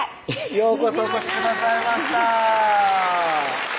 ようこそお越しくださいました